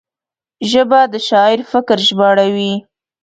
ژبه د شاعر فکر ژباړوي